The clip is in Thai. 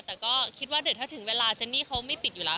แต่ก็คิดว่าเดี๋ยวถ้าถึงเวลาเจนนี่เขาไม่ปิดอยู่แล้ว